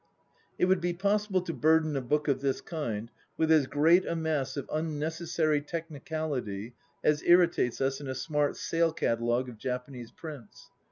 It would be possible to burden a book of this kind with as great a mass of unnecessary technicality as irritates us in a smart sale cat alogue of Japanese Prints.